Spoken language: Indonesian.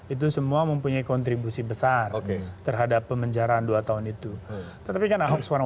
itu semua mempunyai kontribusi besar terhadap pemenjaraan dua tahun itu tetapi kan ahok seorang